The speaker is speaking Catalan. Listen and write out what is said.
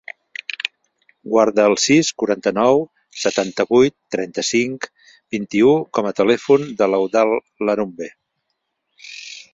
Guarda el sis, quaranta-nou, setanta-vuit, trenta-cinc, vint-i-u com a telèfon de l'Eudald Larumbe.